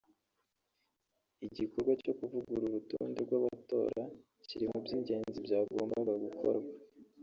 Igikorwa cyo kuvugurura urutonde rw’abatora kiri mu by’ingenzi byagombaga gukorwa